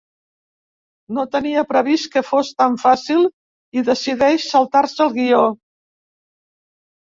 No tenia previst que fos tan fàcil i decideix saltar-se el guió.